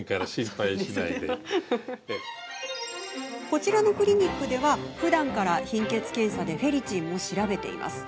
こちらのクリニックではふだんから貧血検査でフェリチンも調べています。